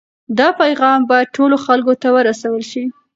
دا پیغام باید ټولو خلکو ته ورسول شي.